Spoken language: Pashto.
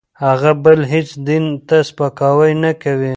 هغه بل هېڅ دین ته سپکاوی نه کوي.